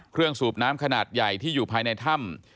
สูบน้ำขนาดใหญ่ที่อยู่ภายในถ้ำ